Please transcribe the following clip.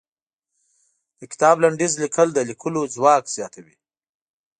د کتاب لنډيز ليکل د ليکلو ځواک زياتوي.